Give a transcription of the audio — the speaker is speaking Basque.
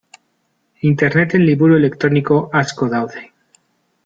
Interneten liburu elektroniko asko daude.